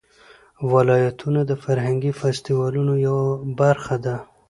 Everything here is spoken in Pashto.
ولایتونه د فرهنګي فستیوالونو یوه برخه ده.